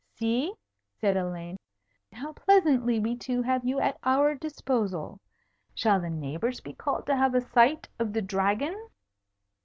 "See," said Elaine, "how pleasantly we two have you at our disposal. Shall the neighbours be called to have a sight of the Dragon?"